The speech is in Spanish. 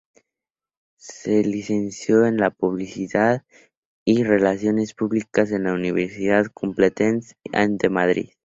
Se licenció en Publicidad y Relaciones Públicas en la Universidad Complutense de Madrid.